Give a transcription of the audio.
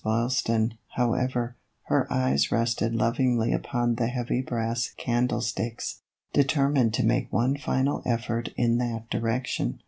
Boylston, however, whose eyes rested lovingly upon the heavy brass candlesticks, determined to make one final effort in that direction.